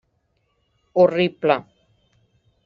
Horrible.